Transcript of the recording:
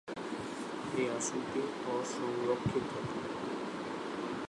এই আসনটি অসংরক্ষিত।